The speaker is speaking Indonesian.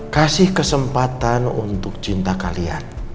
kasih kesempatan untuk cinta kalian